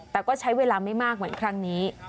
แต่ก็ใช้เวลาไม่มากเหมือนครั้งนี้